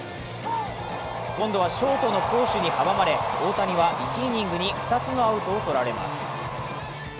今度はショートの攻守に阻まれ大谷は１イニングに２つのアウトを取られます。